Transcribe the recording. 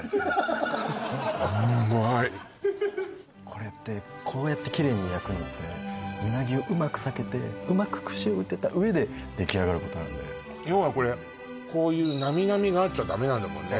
これってこうやってキレイに焼くのってうなぎをうまくさけてうまく串をうてた上でできあがることなんで要はこれこういうなみなみがあっちゃダメなんだもんね